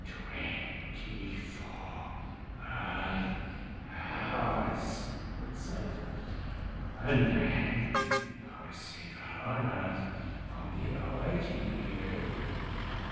"Twenty four earth hours," it said; "and then your receiver on earth will be awaiting you.